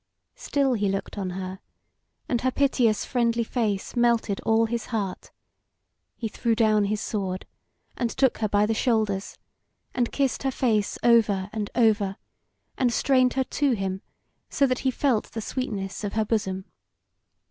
Still he looked on her, and her piteous friendly face melted all his heart; he threw down his sword, and took her by the shoulders, and kissed her face over and over, and strained her to him, so that he felt the sweetness of her bosom.